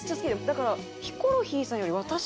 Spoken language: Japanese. だから。